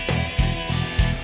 saya yang menang